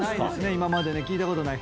今まで聞いたことない。